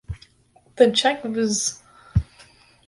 The Czech vz.